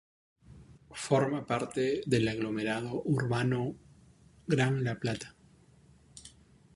Forma parte del aglomerado urbano Gran La Plata.